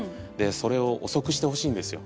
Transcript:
それを遅くしてほしいんですよ。